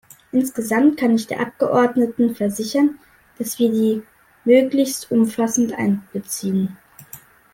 Insgesamt kann ich der Abgeordneten versichern, dass wir die Nmöglichst umfassend einbeziehen.